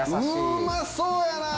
うまそうやなあ！